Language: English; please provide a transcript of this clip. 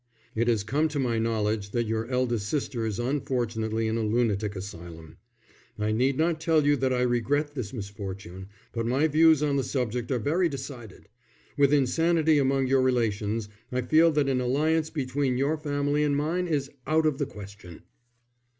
It has come to my knowledge that your eldest sister is unfortunately in a lunatic asylum. I need not tell you that I regret this misfortune, but my views on the subject are very decided. With insanity among your relations, I feel that an alliance between your family and mine is out of the question."